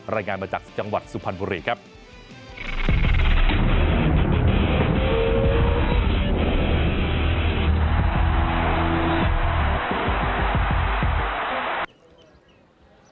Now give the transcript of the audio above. รายงานมาจากจังหวัดสุพรรณบุรีครับ